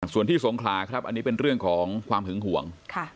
ส่วนที่สงขลาครับอันนี้เป็นเรื่องของความหึงห่วง